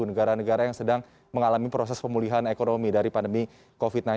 negara negara yang sedang mengalami proses pemulihan ekonomi dari pandemi covid sembilan belas